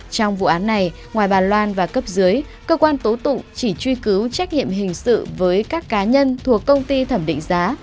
trong vụ án này ngoài bà loan và cấp dưới cơ quan tố tụng chỉ truy cứu trách nhiệm hình sự với các cá nhân thuộc công ty thẩm định giá